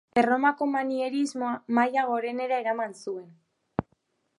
Erromako manierismoa maila gorenera eraman zuen.